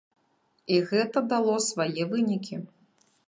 І гэта дало свае вынікі.